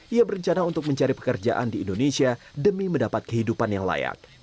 ia berencana untuk mencari pekerjaan di indonesia demi mendapat kehidupan yang layak